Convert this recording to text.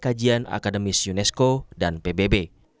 kajian akademis unesco dan pbb